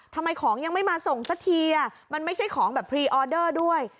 ทำไมของยังไม่มาส่งสักทีมันไม่ใช่ของแบบพรีออเดอร์ด้วย